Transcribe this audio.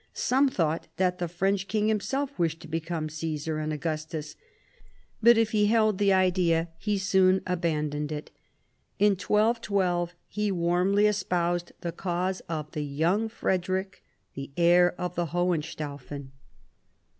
Some thought that the French king himself wished to become Caesar and Augustus, but if he held the idea he soon abandoned it. In 1212 he warmly espoused the cause of the young Frederic, the heir of the Hohenstaufen.